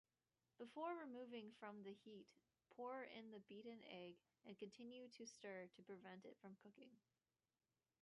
Before removing from the heat, pour in the beaten egg and continue to stir to prevent it from cooking.